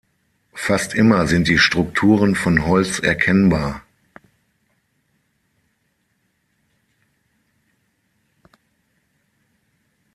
Fast immer sind die Strukturen von Holz erkennbar.